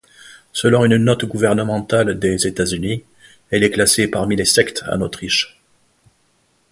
Selon une note gouvernementale des États-Unis, elle est classée parmi les sectes en Autriche.